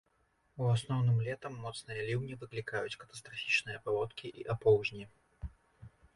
У асноўным летам моцныя ліўні выклікаюць катастрафічныя паводкі і апоўзні.